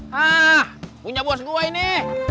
hah punya bos gue ini